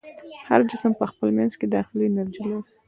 هر جسم په خپل منځ کې داخلي انرژي لري.